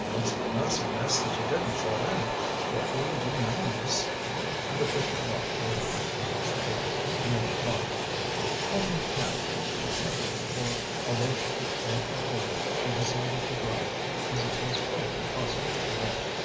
"And it's a mercy, miss, that you didn't fall in. What will you do now, miss?" Patricia walked with him towards the gate, near the clock. "Call me a cab," she said, for although she could ill afford it, she decided to drive, as it was quite impossible to walk.